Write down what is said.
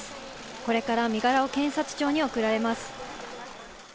これから身柄を検察庁に送られます。